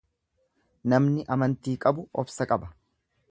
Namni amantii qabu obsa qaba.